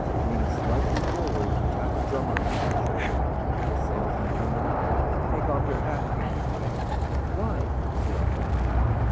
Leaning slightly forward he tapped a drummer upon the shoulder. The salesman turned around. "Take off your hat," came the command. "Why?" the salesman began.